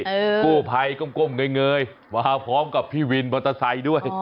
เออกู้ไพ่ก้มก้มเงยเงยมาพร้อมกับพี่วินบัตรไทยด้วยอ๋อ